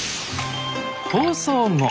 放送後